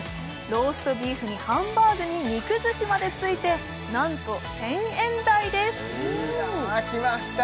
ローストビーフにハンバーグに肉寿司までついてなんと１０００円台ですいやきました